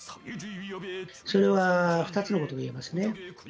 それは２つのことが言えますね。